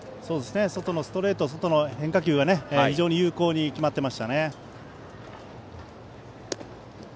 外のストレート外の変化球が非常に有効に決まっていましたね。